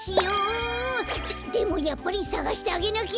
ででもやっぱりさがしてあげなきゃ！